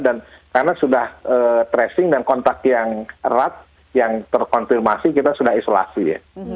dan karena sudah tracing dan kontak yang erat yang terkonfirmasi kita sudah isolasi ya